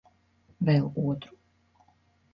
Vēl otru?